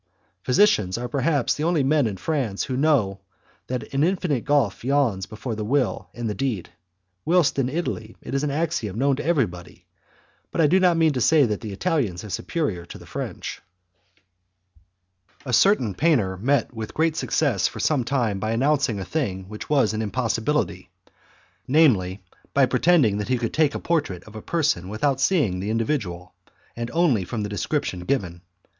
Physicians are, perhaps, the only men in France who know that an infinite gulf yawns between the will and the deed, whilst in Italy it is an axiom known to everybody; but I do not mean to say that the Italians are superior to the French. A certain painter met with great success for some time by announcing a thing which was an impossibility namely, by pretending that he could take a portrait of a person without seeing the individual, and only from the description given.